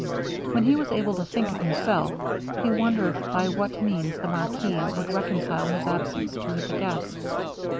When he was able to think of himself, he wondered by what means the marquis would reconcile his absence to the guests.